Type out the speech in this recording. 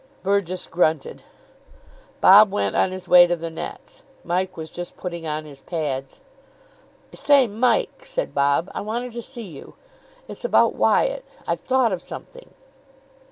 Burgess grunted. Bob went on his way to the nets. Mike was just putting on his pads. "I say, Mike," said Bob. "I wanted to see you. It's about Wyatt. I've thought of something."